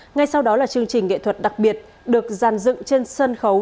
ngay sau đó là chương trình nghệ thuật đặc biệt được dàn dựng trên sân khấu